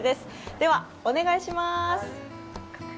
ではお願いします。